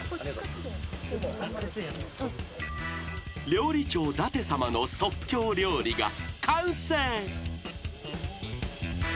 ［料理長ダテ様の即興料理が完成］